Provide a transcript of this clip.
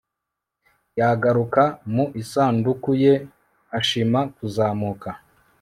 yagaruka mu isanduku ye ashima kuzamuka